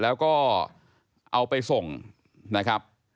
แล้วก็เอาไปส่งนะครับ